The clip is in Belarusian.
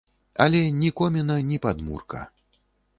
Але ні коміна, ні падмурка.